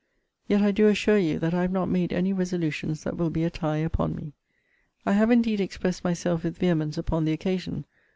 Yet I do assure you, that I have not made any resolutions that will be a tie upon me. I have indeed expressed myself with vehemence upon the occasion.